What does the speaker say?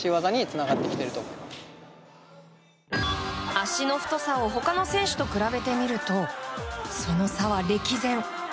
足の太さを他の選手と比べてみるとその差は歴然。